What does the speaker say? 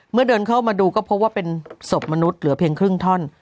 เดินเข้ามาดูก็พบว่าเป็นศพมนุษย์เหลือเพียงครึ่งท่อน